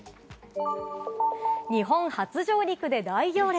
日本初上陸で大行列！